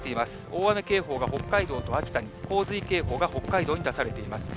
大雨警報が北海道と秋田に、洪水警報が北海道に出されています。